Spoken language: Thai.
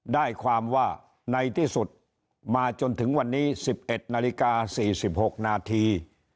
ได้ความว่าในที่สุดมาจนถึงวันนี้๑๑นาฬิกา๔๖นาที